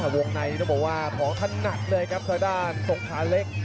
วงในนั้นบอกว่าผอมขนัดเลยครับทะดานส่องขาเล็ก